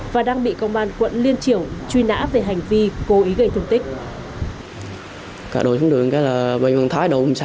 và đang bị công an quận liên triểu truy nã về hành vi cố ý gây thương tích